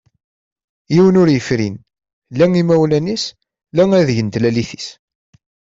Yiwen ur yefrin la imawlan-is la adeg n tlalit-is.